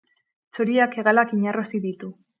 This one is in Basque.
Txoriak hegalak inarrosi ditu.